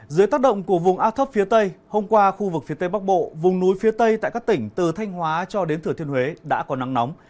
dưới tác động của vùng áp thấp phía tây hôm qua khu vực phía tây bắc bộ vùng núi phía tây tại các tỉnh từ thanh hóa cho đến thửa thiên huế đã có nắng nóng